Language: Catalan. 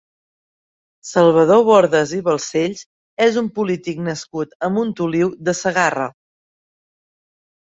Salvador Bordes i Balcells és un polític nascut a Montoliu de Segarra.